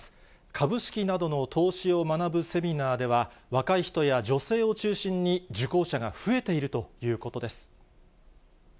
株式などの投資を学ぶセミナーでは、若い人や女性を中心に、受講者が増えているということです。